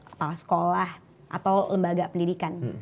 kepala sekolah atau lembaga pendidikan